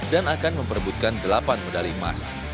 dan akan memperebutkan delapan medali emas